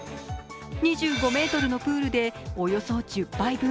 ２５ｍのプールでおよそ１０杯分。